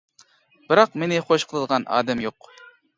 بىراق مېنى خۇش قىلىدىغان ئادەم يوق.